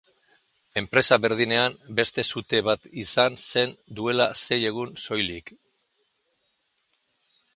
Enpresa berdinean beste sute bat izan zen duela sei egun soilik.